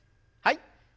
はい。